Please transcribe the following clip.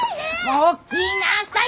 起きなさい！